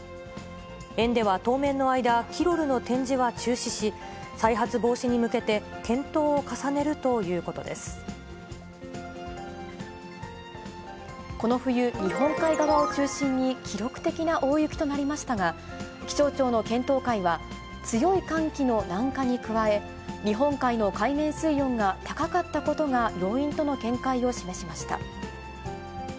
園では当面の間、キロルの展示は中止し、再発防止に向けて、検討を重ねるというここの冬、日本海側を中心に記録的な大雪となりましたが、気象庁の検討会は、強い寒気の南下に加え、日本海の海面水温が高かったことが要因との見解を示しました。